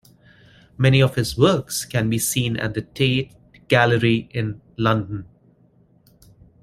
Many of his works can be seen at the Tate Gallery in London.